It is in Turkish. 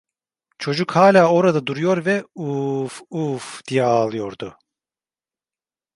Çocuk hala orada duruyor ve uuuf, uuuf… diye ağlıyordu.